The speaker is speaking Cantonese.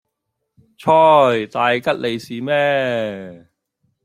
啋,大吉利是咩